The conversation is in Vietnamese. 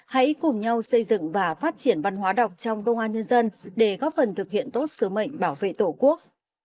hãy cùng nhau xây dựng và phát triển văn hóa đọc trong công an nhân dân để góp phần thực hiện tốt sứ mệnh bảo vệ tổ quốc